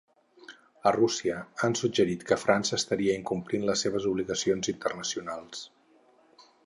A Rússia han suggerit que França estaria incomplint les seves “obligacions” internacionals.